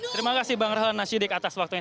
terima kasih bang rahlan nasyidik atas waktunya